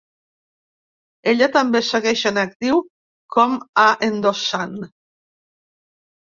Ella també segueix en actiu com a endossant.